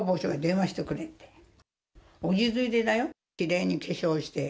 落ち着いてたよ、きれいに化粧して。